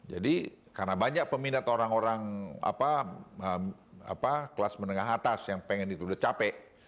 jadi karena banyak peminat orang orang kelas menengah atas yang pengen dituduh capek